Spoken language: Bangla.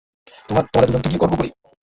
তোমাদের দুজনকে নিয়ে গর্ব করি।